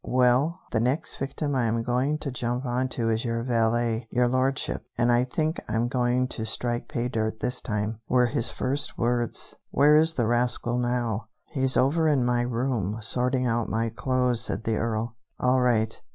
"Well, the next victim I am going to jump onto is your valet, Your Lordship, and I think I'm going to strike pay dirt this time," were his first words. "Where is the rascal now?" "He's over in my room, sorting out my clothes," said the Earl. "All right.